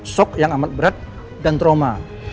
shock yang amat berat dan trauma